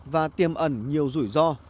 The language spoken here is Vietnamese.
và tiềm ẩn nhiều rủi ro